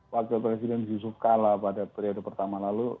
wakil presiden yusuf kala pada periode pertama lalu